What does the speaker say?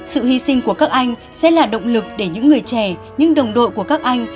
sự hy sinh của các anh sẽ là động lực để những người trẻ những đồng đội của các anh